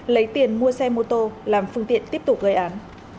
lấy tiền mua xe mô tô làm phương tiện tiếp tục gây án